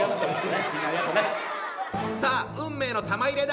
さあ運命の玉入れだ！